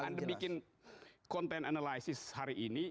anda bikin konten analisis hari ini